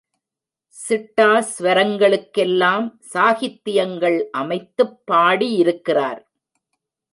சிட்டா ஸ்வரங்களுக்கெல்லாம் சாகித்தியங்கள் அமைத்துப் பாடியிருக்கிறார்.